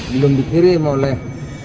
belum dikirim oleh